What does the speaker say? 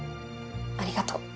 ありがとう。